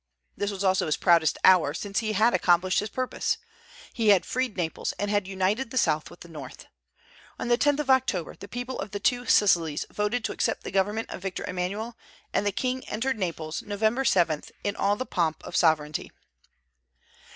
This was also his proudest hour, since he had accomplished his purpose. He had freed Naples, and had united the South with the North. On the 10th of October the people of the Two Sicilies voted to accept the government of Victor Emmanuel; and the king entered Naples, November 7, in all the pomp of sovereignty.